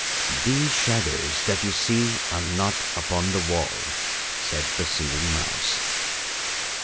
"These shadows that you see are not upon the wall," said the Singing Mouse.